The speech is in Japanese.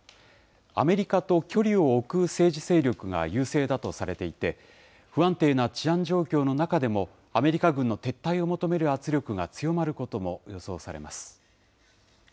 アメリカと距離を置く政治勢力が優勢だとされていて、不安定な治安状況の中でも、アメリカ軍の撤退を求める圧力が強まることも予想されます。